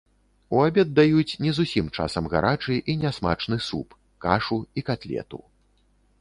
У абед даюць не зусім часам гарачы і нясмачны суп, кашу і катлету.